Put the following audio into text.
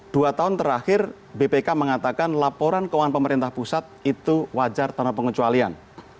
dua tahun terakhir bpk mengatakan laporan keuangan pemerintah pusat itu wajar tanpa pengecualian